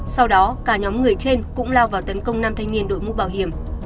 sau đó cả nhóm người trên cũng lao vào tấn công năm thanh niên đội mũ bảo hiểm